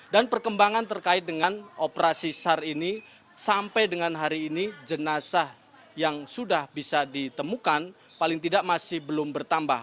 dan perkembangan terkait dengan operasi sar ini sampai dengan hari ini jenazah yang sudah bisa ditemukan paling tidak masih belum bertambah